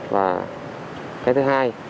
và cái thứ hai